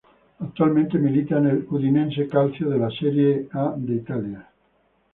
Actualmente milita en el Udinese Calcio de la Serie A de Italia.